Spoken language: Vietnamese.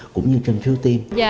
cũng như trên phiếu tiêm